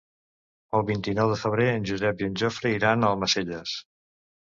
El vint-i-nou de febrer en Josep i en Jofre iran a Almacelles.